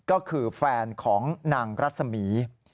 ก็คือแฟนของนางรัศมี